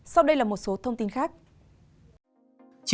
sau đây là một số thông tin khác